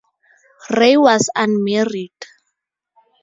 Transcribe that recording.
Ray was unmarried.